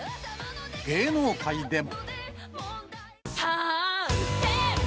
芸能界でも。